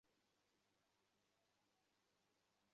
হযরত Khalid রাযিয়াল্লাহু আনহু-এর রক্ত টগবগ করে ওঠে।